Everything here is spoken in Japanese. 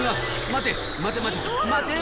待て待て！